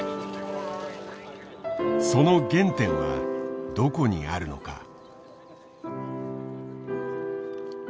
その原点はどこにあるのか？